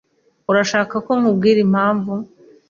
Urashaka ko nkubwira impamvu?